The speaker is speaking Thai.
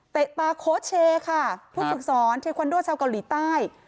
เตะตาโคเชค่ะทุกศึกศรเทควันโดชาวเกาหลีใต้